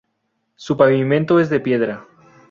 Su pavimento es de piedra.